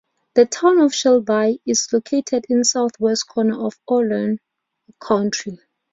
The Town of Shelby is located in southwest corner of Orleans County.